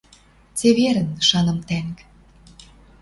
Цеверӹн, шаным тӓнг!